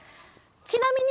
ちなみに、